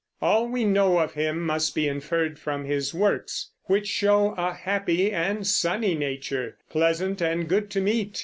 All we know of him must be inferred from his works, which show a happy and sunny nature, pleasant and good to meet.